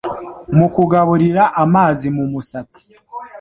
mu kugaburira amazi mu musatsi ,